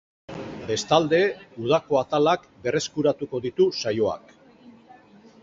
Bestalde, udako atalak berreskuratuko ditu saioak.